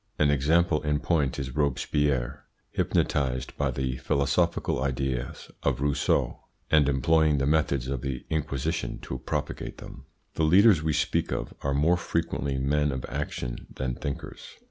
An example in point is Robespierre, hypnotised by the philosophical ideas of Rousseau, and employing the methods of the Inquisition to propagate them. The leaders we speak of are more frequently men of action than thinkers.